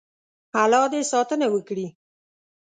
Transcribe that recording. الله دې ساتنه وکړي.